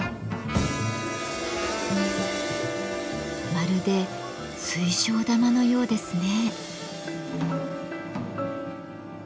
まるで水晶玉のようですね。